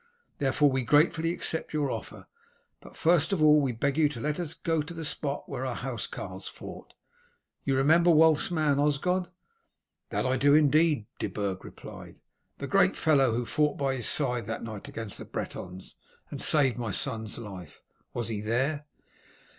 Therefore, we gratefully accept your offer, but first of all we beg you to let us go to the spot where our housecarls fought. You remember Wulf's man, Osgod?" "That do I indeed," De Burg replied. "The great fellow who fought by his side that night against the Bretons, and saved my son's life. Was he there?"